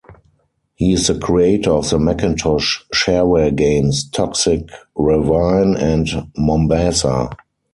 He is the creator of the Macintosh shareware games "Toxic Ravine" and "Mombasa".